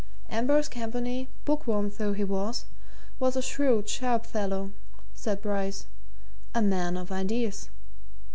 Ambrose Campany, bookworm though he was, was a shrewd, sharp fellow, said Bryce a man of ideas.